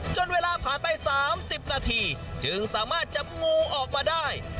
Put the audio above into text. จนเวลาผ่านไป๓๐นาทีจึงสามารถจับงูออกมาได้